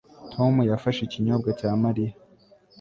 Tom yafashe ikinyobwa cya Mariya